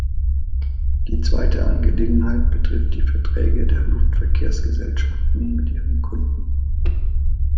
Die zweite Angelegenheit betrifft die Verträge der Luftverkehrsgesellschaften mit ihren Kunden.